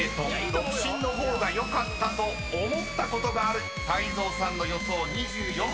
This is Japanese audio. ［独身の方がよかったと思ったことがある泰造さんの予想２４％］